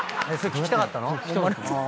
聞きたかった。